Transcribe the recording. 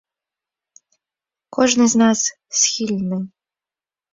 Кожны з нас схільны.